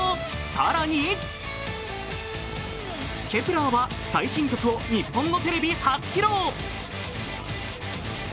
更に、ｋｅｐ１ｅｒは最新曲を日本のテレビ初披露。